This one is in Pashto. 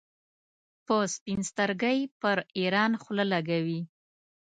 په سپین سترګۍ پر ایران خوله لګوي.